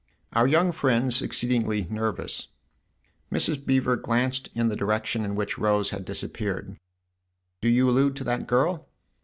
" Our young friend's exceedingly nervous." Mrs. Beever glanced in the direction in which Rose had disappeared. " Do you allude to that girl